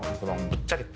ぶっちゃけ。